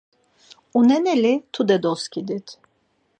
Uneneli tude doskidit!